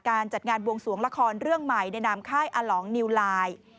การจัดงานบวงสวงละครเรื่องใหม่ในนามค่ายอลองนิวไลน์